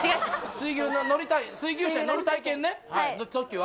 水牛車に乗る体験ねの時は？